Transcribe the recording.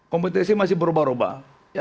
kompetisi masih berubah ubah